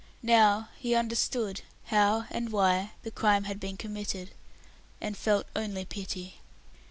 Now he understood how and why the crime had been committed, and felt only pity.